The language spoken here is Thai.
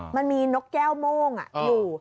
มันมีนกแก้วโม่งอยู่